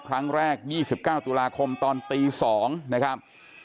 ครั้งแรก๒๙ตุลาคมตอนตี๒นะครับ